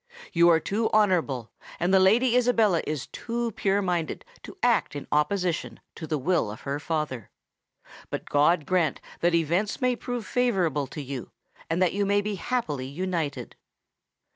You are too honourable and the Lady Isabella is too pure minded to act in opposition to the will of her father: but God grant that events may prove favourable to you, and that you may be happily united!"